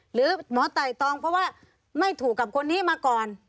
หรือหมอไต่ตองเพราะว่าไม่ถูกกับคนนี้มาก่อน